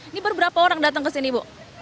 ini baru berapa orang datang ke sini ibu